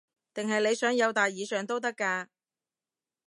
定係你想友達以上都得㗎